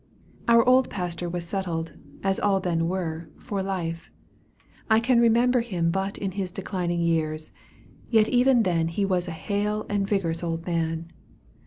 Our old pastor was settled, as all then were, for life. I can remember him but in his declining years, yet even then was he a hale and vigorous old man.